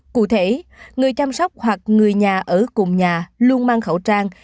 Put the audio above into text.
cụ thể người chăm sóc hoặc người nhà ở cùng nhà luôn mang khẩu trang